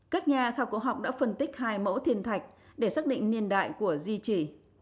các nhà khảo cổ học đã phân tích hai mẫu thiên thạch để xác định niên đại của di trì